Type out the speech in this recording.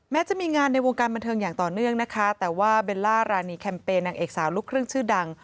จะมีงานในวงการบันเทิงอย่างต่อเนื่องนะคะแต่ว่าเบลล่ารานีแคมเปญนางเอกสาวลูกครึ่งชื่อดัง